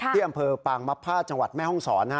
ที่อำเภอปางมภาษจังหวัดแม่ห้องศร